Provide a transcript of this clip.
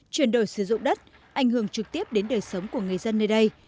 chuyển đổi sử dụng đất ảnh hưởng trực tiếp đến đời sống của người dân nơi đây